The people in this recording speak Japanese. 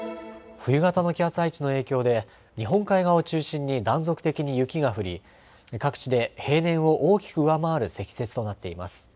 冬型の気圧配置の影響で日本海側を中心に断続的に雪が降り、各地で平年を大きく上回る積雪となっています。